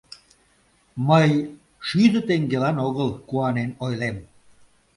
Мый шӱдӧ теҥгелан огыл куанен ойлем.